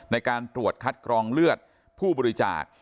ในการตรวจคัดกรองเลือดผู้บริจาค